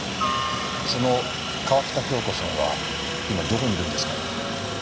その川喜多京子さんは今どこにいるんですかね？